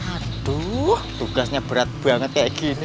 aduh tugasnya berat banget kayak gini